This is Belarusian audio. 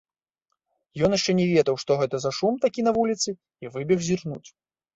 Ён яшчэ не ведаў, што гэта за шум такі на вуліцы, і выбег зірнуць.